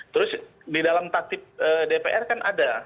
terus di dalam tatib dpr kan ada